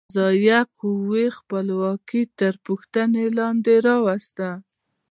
د قضایه قوې خپلواکي تر پوښتنې لاندې راوسته.